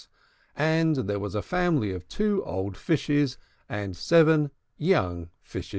And there was a family of two old Fishes and seven young Fishes.